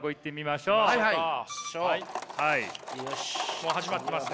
もう始まってますね。